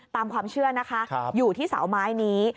ตามความเชื่อนะคะอยู่ที่เสาไม้นี้